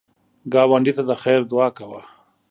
ګاونډي ته د خیر دعا کوه